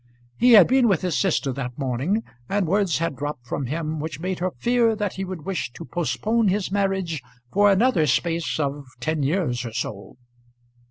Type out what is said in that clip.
He had been with his sister that morning, and words had dropped from him which made her fear that he would wish to postpone his marriage for another space of ten years or so.